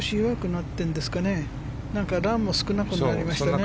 なんかランも少なくなりましたね。